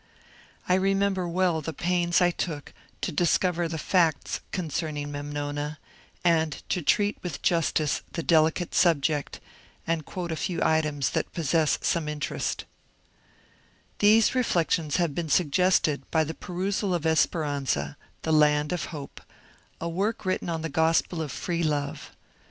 I remember well the pains I took to discover the facts concerning ^^ Memnona " and to treat with justice the delicate subject, and quote a few items that possess some interest :— These reflections have been suggested by the perusal of " Esperanza "— the Land of Hope : a work written on the gospel of Free Love.